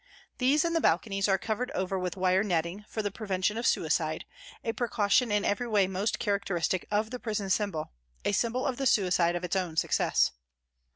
These and the balconies are covered over with wire netting for the prevention of suicide, a precaution in every way most characteristic of the prison system, a symbol of the suicide of its own success.